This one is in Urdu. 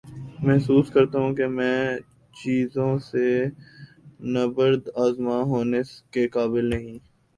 محسوس کرتا ہوں کہ میں چیزوں سے نبرد آزما ہونے کے قابل نہی